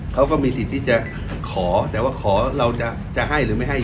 เขาก็มีสิทธิ์ที่จะขอแต่ว่าขอเราจะให้หรือไม่ให้